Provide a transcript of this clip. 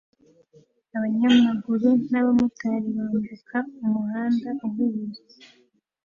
Abanyamaguru n'abamotari bambuka umuhanda uhuze